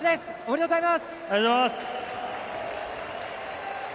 おめでとうございます。